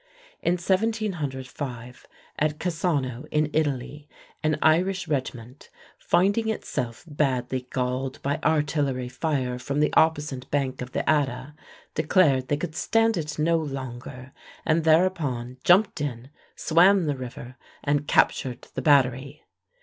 In 1705 at Cassano in Italy an Irish regiment, finding itself badly galled by artillery fire from the opposite bank of the Adda, declared they could stand it no longer, and thereupon jumped in, swam the river, and captured the battery.